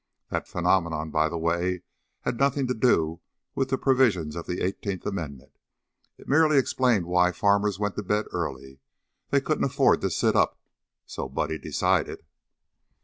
That phenomenon, by the way, had nothing to do with the provisions of the Eighteenth Amendment, it merely explained why farmers went to bed early they couldn't afford to sit up, so Buddy decided.